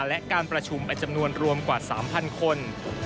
และการประชุมในจำนวนรวมกว่า๓๐๐คน